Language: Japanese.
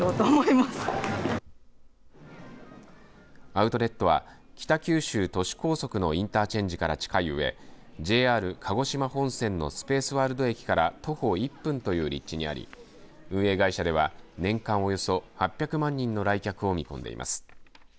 アウトレットは北九州都市高速のインターチェンジから近いうえＪＲ鹿児島本線のスペースワールド駅から徒歩１分という立地にあり運営会社では、年間およそ８００万人の来客を見込んでいます。